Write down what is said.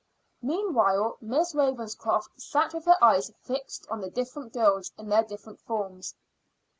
Meanwhile Miss Ravenscroft sat with her eyes fixed on the different girls in their different forms.